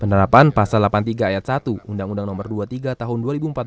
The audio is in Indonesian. penerapan pasal delapan puluh tiga ayat satu undang undang nomor dua puluh tiga tahun dua ribu empat belas